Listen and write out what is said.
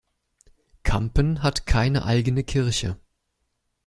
Kampen hat keine eigene Kirche.